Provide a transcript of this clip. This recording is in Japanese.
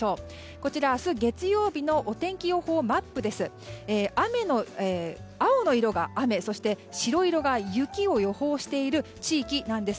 こちらは、明日月曜日のお天気予報マップです。